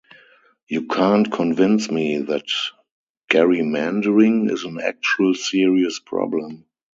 You can’t convince me that gerrymandering is an actual serious problem.